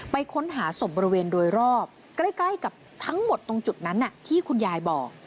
ค้นหาศพบริเวณโดยรอบใกล้กับทั้งหมดตรงจุดนั้นที่คุณยายบอก